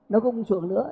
nó cũng sụn nữa